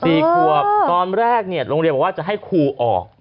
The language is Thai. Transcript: สี่ขวบตอนแรกเนี่ยโรงเรียนบอกว่าจะให้ครูออก